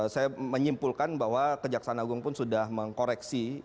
saya menyimpulkan bahwa kejaksaan agung pun sudah mengkoreksi